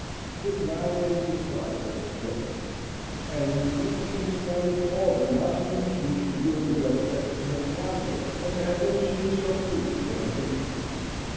His malady defied her skill, and increased in spite of all the nostrums which the good widow kept in her closet and administered so freely to her people.